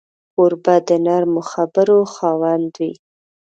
کوربه د نرمو خبرو خاوند وي.